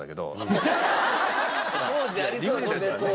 当時ありそうですね